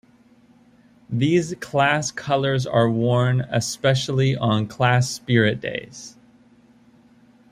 These class colors are worn especially on Class Spirit days.